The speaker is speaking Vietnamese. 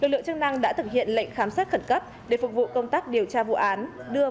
lực lượng chức năng đã thực hiện lệnh khám xét khẩn cấp để phục vụ công tác điều tra vụ án